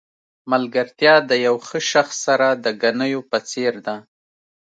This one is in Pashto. ملګرتیا د یو ښه شخص سره د ګنیو په څېر ده.